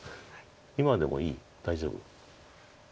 今でもいい大丈夫。